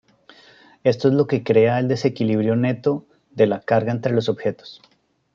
Esto es lo que crea el desequilibrio neto de la carga entre los objetos.